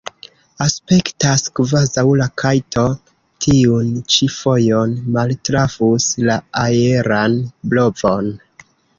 Aspektas, kvazaŭ la kajto tiun ĉi fojon maltrafus la aeran blovon.